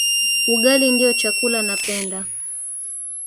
Ugali ndio chakula napenda